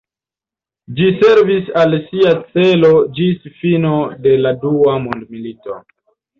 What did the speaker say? Ĝi servis al sia celo ĝis fino de la dua mondmilito.